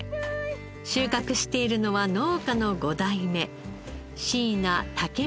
収穫しているのは農家の五代目椎名岳